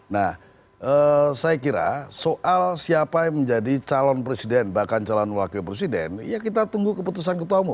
nah saya kira soal siapa yang menjadi calon presiden bahkan calon wakil presiden ya kita tunggu keputusan ketua umum